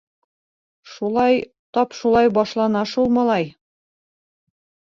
— Шулай, тап шулай башлана шул, малай!..